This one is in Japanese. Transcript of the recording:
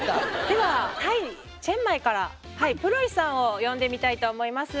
ではタイチェンマイからプロイさんを呼んでみたいと思います。